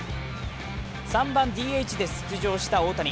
３番・ＤＨで出場した大谷。